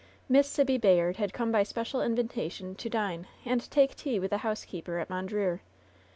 Miss Sibby Bayard had come by special invitation to dine, and take tea with the housekeeper at Mondreer.